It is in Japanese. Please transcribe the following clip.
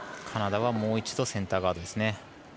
カナダはもう一度センターガードですね。